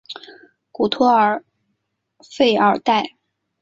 古托尔弗尔代。